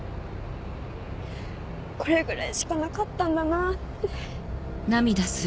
これぐらいしかなかったんだなって。